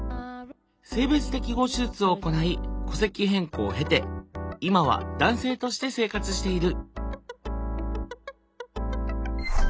性別適合手術を行い戸籍変更を経て今は男性として生活している。